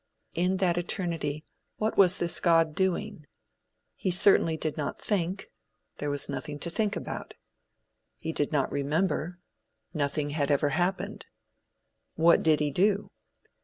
In that eternity what was this God doing? He certainly did not think. There was nothing to think about. He did not remember. Nothing had ever happened. What did he do?